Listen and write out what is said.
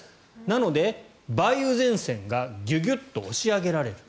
なので、梅雨前線がギュギュッと押し上げられる。